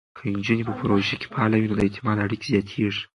که نجونې په پروژو کې فعاله وي، نو د اعتماد اړیکې زیاتېږي.